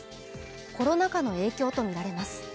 コロナ禍の影響とみられます。